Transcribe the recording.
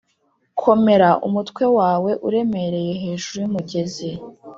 komera umutwe wawe uremereye hejuru yumugezi;